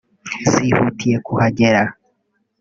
zihutiye kuhagera